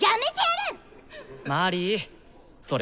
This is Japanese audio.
マリーそれ